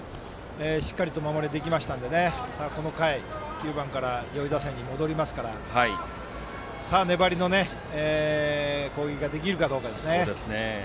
しっかり守れたのでこの回、９番から上位打線に戻りますから粘りの攻撃ができるかどうかですね。